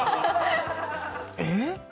えっ？